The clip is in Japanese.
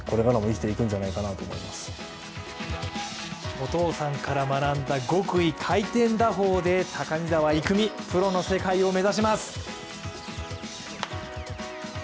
お父さんから学んだ極意、回転打法で高見澤郁魅、プロの世界を目指します。